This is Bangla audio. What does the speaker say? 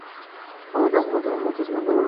আমাকেও আহমদের উম্মতে শামিল করুন।